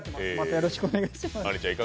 よろしくお願いします。